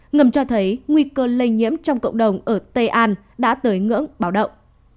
ngầm cho thấy nguy cơ lây nhiễm trong cộng đồng ở tây an đã tới ngưỡng báo động